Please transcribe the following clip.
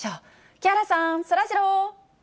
木原さん、そらジロー。